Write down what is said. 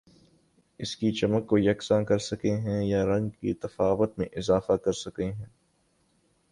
اس کی چمک کو یکساں کر سکہ ہیں یا رنگ کے تفاوت میں اضافہ کر سکہ ہیں